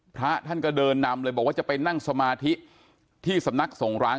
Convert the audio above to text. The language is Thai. พระท่านก็เดินนำเลยบอกว่าจะไปนั่งสมาธิที่สำนักสงร้าง